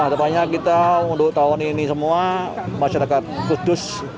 harapannya kita untuk tahun ini semua masyarakat kudus